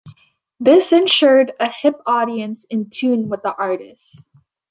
This ensured a hip audience in tune with the artists.